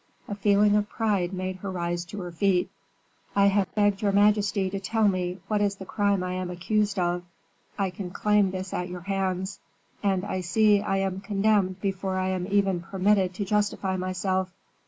A feeling of pride made her rise to her feet. "I have begged your majesty to tell me what is the crime I am accused of I can claim this at your hands; and I see I am condemned before I am even permitted to justify myself."